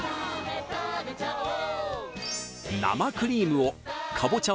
生クリームをかぼちゃ